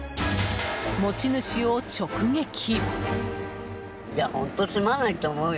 持ち主を直撃。